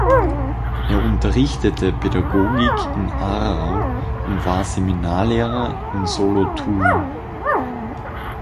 Er unterrichtete Pädagogik in Aarau und war Seminarlehrer in Solothurn.